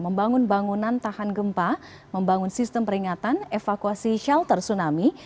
membangun bangunan tahan gempa membangun sistem peringatan evakuasi shelter tsunami